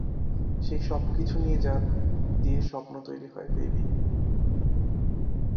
সেই সবকিছু নিয়ে যা দিয়ে স্বপ্ন তৈরি হয়, বেবি।